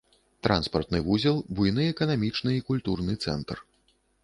Транспартны вузел, буйны эканамічны і культурны цэнтр.